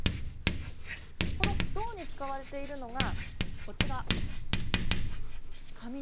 この胴に使われているのがこちら。